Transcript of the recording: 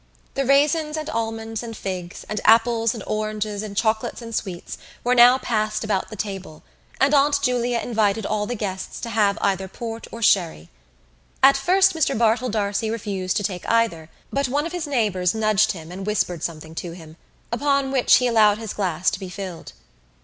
The raisins and almonds and figs and apples and oranges and chocolates and sweets were now passed about the table and Aunt Julia invited all the guests to have either port or sherry. At first Mr Bartell D'Arcy refused to take either but one of his neighbours nudged him and whispered something to him upon which he allowed his glass to be filled.